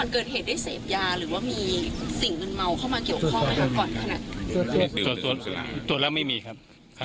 ครับ